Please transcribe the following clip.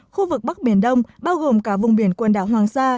khu vực bắc biển đông bao gồm cả vùng biển quần đảo hoàng sa